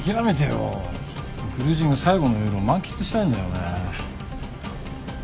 クルージング最後の夜を満喫したいんだよね。